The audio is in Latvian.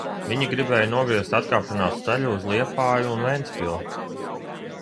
Viņi gribēja nogriezt atkāpšanās ceļu uz Liepāju un Ventspili.